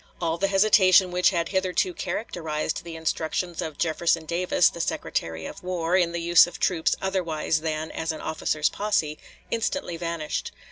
All the hesitation which had hitherto characterized the instructions of Jefferson Davis, the Secretary of War, in the use of troops otherwise than as an officer's posse, instantly vanished.